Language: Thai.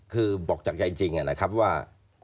คือบอกจากใจจริงนะครับว่า